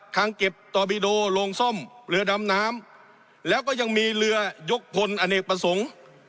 เก็บตอบิโดโรงซ่อมเรือดำน้ำแล้วก็ยังมีเรือยกพลอเนกประสงค์